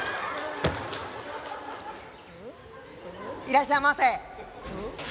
いらっしゃいませ。